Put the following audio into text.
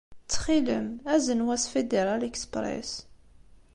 Ttxil-m, azen wa s Federal Express.